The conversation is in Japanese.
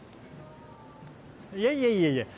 いえいえいえいえ。